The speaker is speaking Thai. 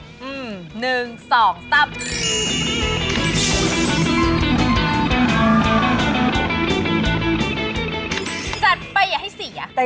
จัดไปอย่าให้เสีย